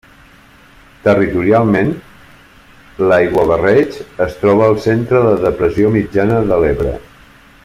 Territorialment, l'Aiguabarreig es troba al centre de la Depressió mitjana de l'Ebre.